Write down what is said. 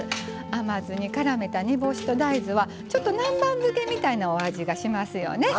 甘酢にからめた煮干しと大豆はちょっと南蛮漬けみたいなお味がしますよね。